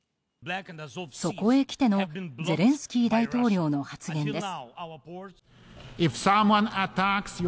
そこへ来てのゼレンスキー大統領の発言です。